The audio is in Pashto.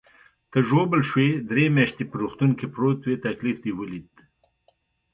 ته ژوبل شوې، درې میاشتې په روغتون کې پروت وې، تکلیف دې ولید.